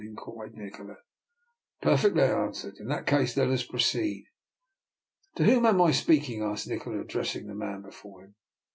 " inquired Nikola. " Perfectly," I answered. " In that case let us proceed." " To whom am I speaking? " asked Ni kola, addressing the man before him.